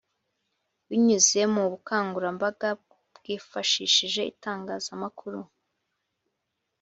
binyuze mu bukangurambaga bwifashishije itangazamakuru